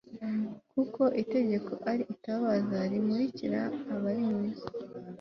kuko itegeko ari itabaza rimurikira abari mu isi